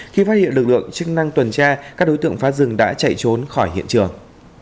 khi phát hiện lực lượng chức năng tuần tra các đối tượng phá rừng đã chạy trốn khỏi hiện trường